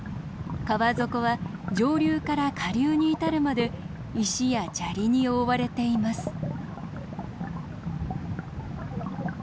川底は上流から下流に至るまで石や砂利に覆われています。